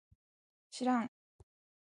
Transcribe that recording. しらん